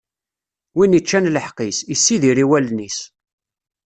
Win iččan lḥeqq-is, issidir i wallen-is.